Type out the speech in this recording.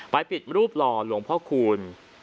ไปปิดรูปลอวหลวงพ่อคูล